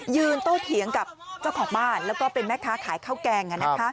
โตเถียงกับเจ้าของบ้านแล้วก็เป็นแม่ค้าขายข้าวแกง